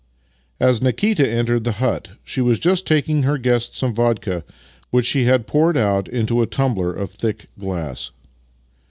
As Nikita entered the hut she was just taking her guest some vodka, which she had poured out into a tumbler of thick glass.